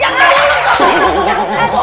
ini kita lihat